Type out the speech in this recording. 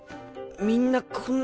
みんなこんな